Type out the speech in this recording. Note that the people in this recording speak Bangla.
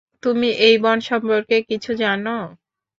তুমি এই বন সম্পর্কে কিছু জানো?